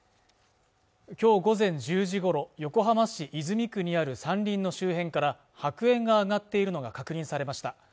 今日午前１０時ごろ横浜市泉区にある山林の周辺から白煙がなっているのが確認されました